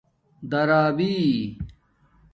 دَرابِݵ